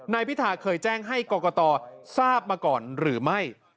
นายพิธาเคยแจ้งให้กรกตทราบมาก่อนหรือไม่